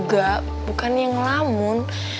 gak bukannya ngelamun